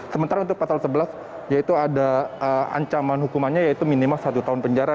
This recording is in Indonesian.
sementara untuk pasal sebelas yaitu ada ancaman hukumannya yaitu minimal satu tahun penjara